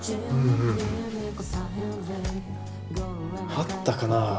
あったかな。